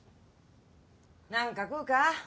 何か食うか？